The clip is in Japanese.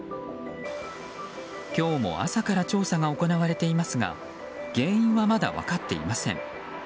今日も朝から調査が行われていますが原因はまだ分かっていません。